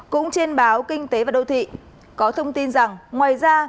cũng trên báo kinh tế và đô thị có thông tin rằng ngoài ra